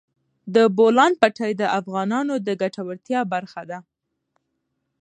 د بولان پټي د افغانانو د ګټورتیا برخه ده.